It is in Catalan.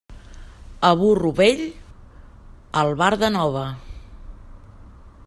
A burro vell, albarda nova.